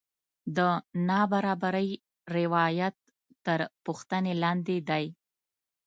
د نابرابرۍ روایت تر پوښتنې لاندې دی.